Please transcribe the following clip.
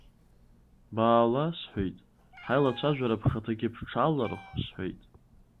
Баала, сҳәеит, ҳаилацәажәара бхаҭагьы бҽалархә, сҳәеит.